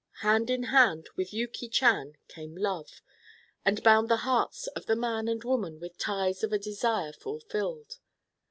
Hand in hand with Yuki Chan came love, and bound the hearts of the man and woman with ties of a desire fulfilled.